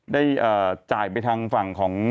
ได้จ่ายไปทางฝั่งของ